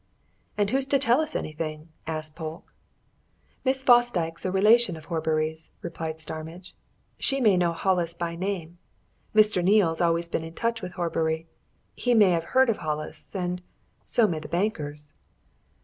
"And who's to tell us anything?" asked Polke. "Miss Fosdyke's a relation of Horbury's," replied Starmidge. "She may know Hollis by name. Mr. Neale's always been in touch with Horbury he may have heard of Hollis. And so may the bankers."